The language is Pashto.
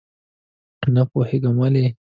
نه پوهېږم ولې.